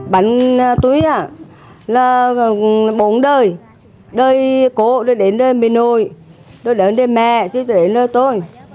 bánh tuối là bốn đời đời cổ đều đến đời mẹ nội đời đời mẹ chứ đều đến đời tôi